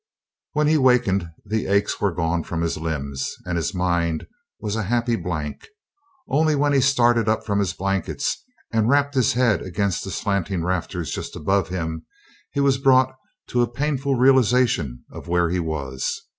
When he wakened the aches were gone from his limbs, and his mind was a happy blank. Only when he started up from his blankets and rapped his head against the slanting rafters just above him, he was brought to a painful realization of where he was.